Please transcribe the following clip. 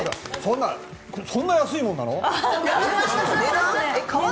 そんな安いものなの？